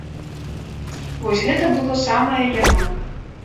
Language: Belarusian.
Вось гэта было самае яно!